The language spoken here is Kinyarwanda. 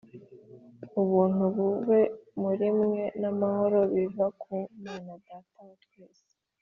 Ubuntu bube muri mwe n’amahoro biva ku Mana Data wa twese